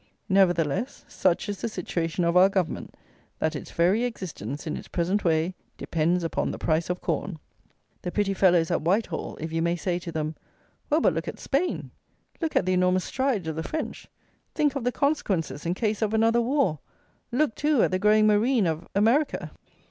Nevertheless, such is the situation of our Government, that its very existence, in its present way, depends upon the price of corn. The pretty fellows at Whitehall, if you may say to them: Well, but look at Spain; look at the enormous strides of the French; think of the consequences in case of another war; look, too, at the growing marine of America.